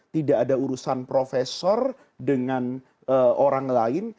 tidak ada urusan profesor dengan orang lain